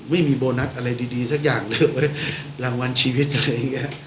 ไม่มีโบนัสอะไรดีสักอย่างเรื่องรางวัลชีวิตอะไรอย่างนี้